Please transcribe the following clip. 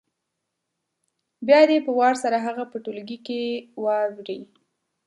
بیا دې په وار سره هغه په ټولګي کې واوروي